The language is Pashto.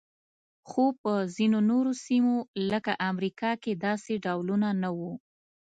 خو په ځینو نورو سیمو لکه امریکا کې داسې ډولونه نه وو.